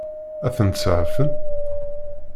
Ad tent-seɛfen?